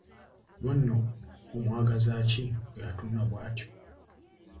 Oba nno amwagaza ki oyo atunula bw'atyo?